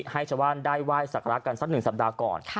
ให้ชาวบ้านได้ไหว้สักกันสัก๑สัปดาห์ก่อน